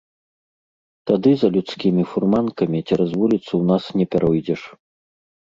Тады за людскімі фурманкамі цераз вуліцу ў нас не пяройдзеш.